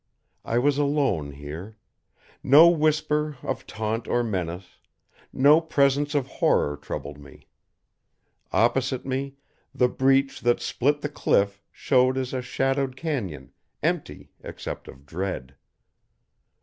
I was alone here. No whisper of taunt or menace, no presence of horror troubled me. Opposite me, the Breach that split the cliff showed as a shadowed cañon, empty except of dread.